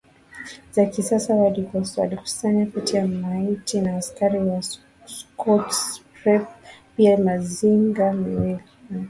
za kisasa walizokusanya kati ya maiti za askari wa Schutztruppe pia mizinga miwili na